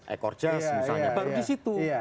ekor jas misalnya baru disitu